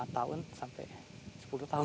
lima tahun sampai sepuluh tahun